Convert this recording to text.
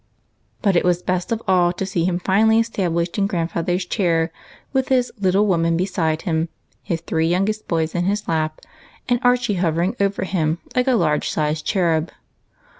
But it was best of all to see him finally established in grandfather's chair, with his " little woman " beside him, his three youngest boys in his lap, and Archie hovering over him like a large UNDER THE MISTLETOE. 233 sized cherub.